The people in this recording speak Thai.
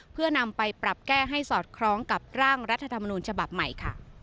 เพื่อนำไปปรับแก้ให้สอดคล้องกับร่างรัฐธรรมนูญฉบับใหม่ค่ะ